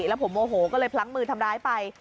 แล้วผมโมโหก็เลยพลั้งมือทำร้ายไป